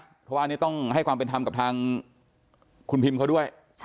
เพราะว่าอันนี้ต้องให้ความเป็นธรรมกับทางคุณพิมเขาด้วย